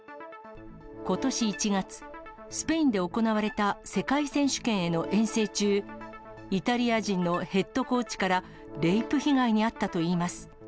ことし１月、スペインで行われた世界選手権への遠征中、イタリア人のヘッドコーチからレイプ被害に遭ったといいます。